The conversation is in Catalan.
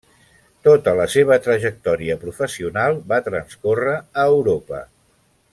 Tota la seva trajectòria professional va transcórrer a Europa.